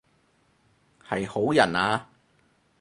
係好人啊？